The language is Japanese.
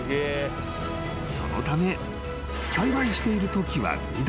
［そのため栽培しているときは緑］